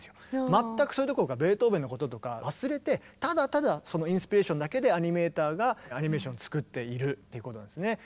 まったくそういうところがベートーベンのこととか忘れてただただそのインスピレーションだけでアニメーターがアニメーションを作っているっていうことなんですね。